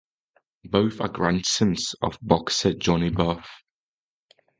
Both are grandsons of boxer Johnny Buff.